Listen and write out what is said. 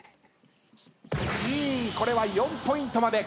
これは４ポイントまで。